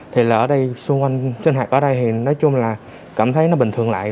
thì là ở đây xung quanh trên hạt ở đây thì nói chung là cảm thấy nó bình thường lại